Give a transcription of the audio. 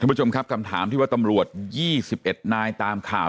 คุณผู้ชมครับคำถามที่ว่าตำรอบยี่สิบเอ็ดนายตามข่าว